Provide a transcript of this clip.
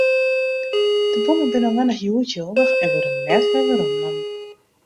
De bonnen binne allinnich hjoed jildich en wurde net weromnommen.